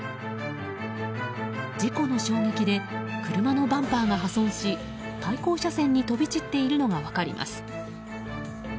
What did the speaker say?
事故の衝撃で車のバンパーが破損し対向車線に飛び散っているのが分かります。